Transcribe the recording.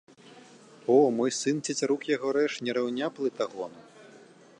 О, мой сын, цецярук яго рэж, не раўня плытагону.